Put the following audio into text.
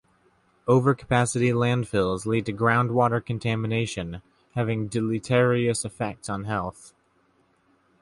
Over-capacity landfills lead to groundwater contamination, having deleterious effects on health.